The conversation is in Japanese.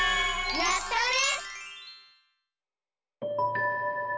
やったね！